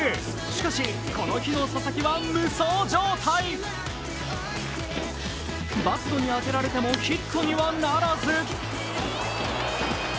しかし、この日の佐々木は無双状態バットに当てられてもヒットにはならず。